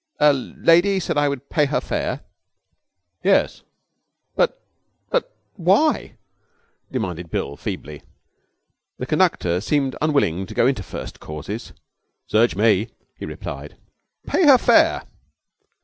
'A lady said I would pay her fare?' 'Yes.' 'But but why?' demanded Bill, feebly. The conductor seemed unwilling to go into first causes. 'Search me!' he replied. 'Pay her fare!'